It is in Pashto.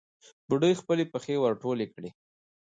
بوډۍ خپلې پښې ور ټولې کړې.